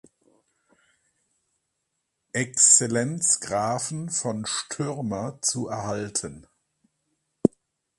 Excellenz Grafen von Stürmer zu erhalten.